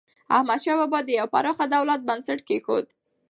احمدشاه بابا د یو پراخ دولت بنسټ کېښود.